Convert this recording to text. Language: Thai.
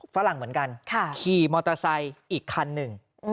ฝรั่งเหมือนกันขี่มอเตอร์ไซค์อีกคันหนึ่ง